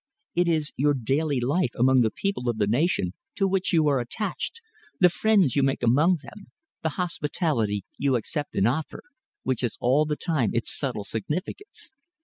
It is your daily life among the people of the nation to which you are attached, the friends you make among them, the hospitality you accept and offer, which has all the time its subtle significance.